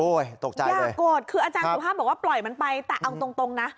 โอ๊ยตกใจเลยคืออาจารย์ถูกภาพบอกว่าปล่อยมันไปแต่เอาตรงนะ